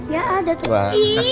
gak ada tuh